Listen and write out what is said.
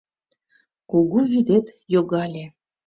Кугу вӱдет йогале